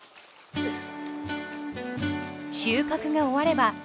よいしょ。